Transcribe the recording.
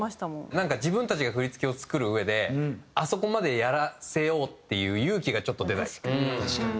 なんか自分たちが振付を作るうえであそこまでやらせようっていう勇気がちょっと出ないというか。